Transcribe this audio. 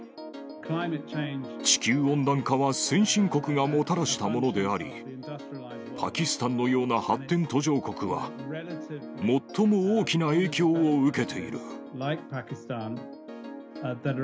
地球温暖化は先進国がもたらしたものであり、パキスタンのような発展途上国は、最も大きな影響を受けている。